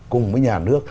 cùng với nhà nước